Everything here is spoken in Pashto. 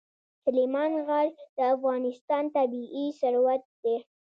سلیمان غر د افغانستان طبعي ثروت دی.